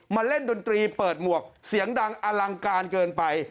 เล่นดนตรีเปิดหมวกเสียงดังอลังการเกินไป